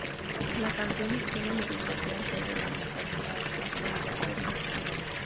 La canción es una meditación sobre la mortalidad, la oscuridad y el miedo.